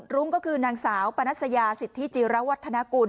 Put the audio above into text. รุ้งก็คือนางสาวปนัสยาสิทธิจิระวัฒนากุล